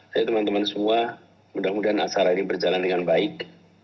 jadi teman teman semua mudah mudahan asara ini berjalan dengan baik